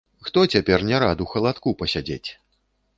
Хто цяпер не рад у халадку пасядзець!